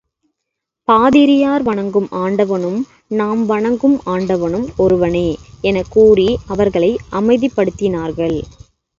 பாதிரியார் வணங்கும் ஆண்டவனும், நாம் வணங்கும் ஆண்டவனும் ஒருவனே எனக் கூறி அவர்களை அமைதிப்படுத்தினார்கள்.